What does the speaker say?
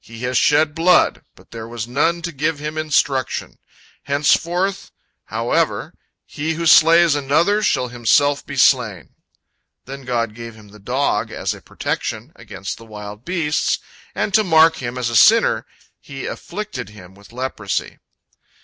He has shed blood, but there was none to give him instruction. Henceforth, however, he who slays another shall himself be slain." Then God gave him the dog as a protection against the wild beasts, and to mark him as a sinner, He afflicted him with leprosy.